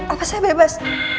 apa saya bebas